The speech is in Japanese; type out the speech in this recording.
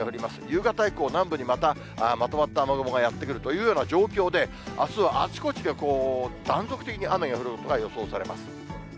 夕方以降、南部にまたまとまった雨雲がやって来るというような状況で、あすはあちこちで断続的に雨が降ることが予想されます。